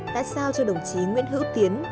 đã sao cho đồng chí nguyễn hữu tiến